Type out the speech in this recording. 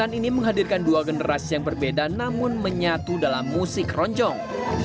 gerakan ini menghadirkan dua generasi yang berbeda namun menyatu dalam musik keroncong